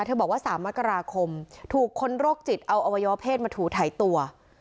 บอกว่า๓มกราคมถูกคนโรคจิตเอาอวัยวะเพศมาถูไถตัว